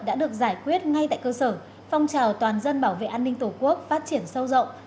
đã được giải quyết ngay tại cơ sở phong trào toàn dân bảo vệ an ninh tổ quốc phát triển sâu rộng